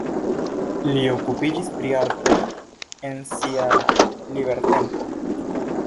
Li okupiĝis pri artoj en sia libertempo.